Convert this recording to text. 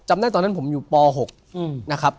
ได้ตอนนั้นผมอยู่ป๖นะครับ